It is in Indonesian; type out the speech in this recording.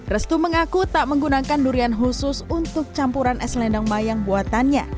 restu mengaku tak menggunakan durian khusus untuk campuran es lendang mayang buatannya